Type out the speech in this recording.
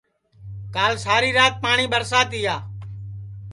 کال ساری رات پاٹؔی ٻرسا تیا